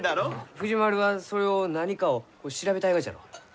藤丸はそれを何かを調べたいがじゃろう？